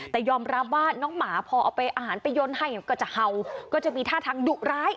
แต่ยอมรับว่าน้องหมาพอเอาไปอาหารไปยนต์ให้ก็จะเห่าก็จะมีท่าทางดุร้าย